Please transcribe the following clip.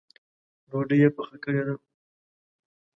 ډوډۍ یې پخه کړې ده؟